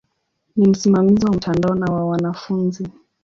Ni msimamizi wa mtandao na wa wanafunzi.